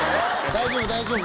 大丈夫？